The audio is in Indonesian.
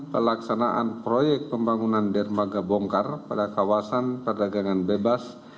pelaksanaan proyek pembangunan dermaga bongkar pada kawasan perdagangan bebas